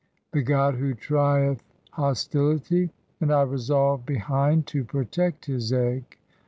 the "god who trieth hostility), and I revolve behind [to protect] his "egg.